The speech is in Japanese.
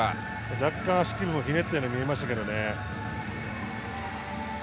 若干、足首もひねったように見えましたよね。